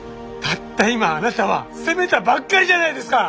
たった今あなたは責めたばっかりじゃないですか！